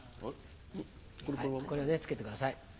これをねつけてください。